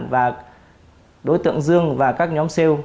và đối tượng dương và các nhóm sale